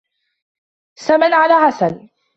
سمن على عسل